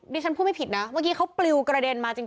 ฉันพูดไม่ผิดนะเมื่อกี้เขาปลิวกระเด็นมาจริง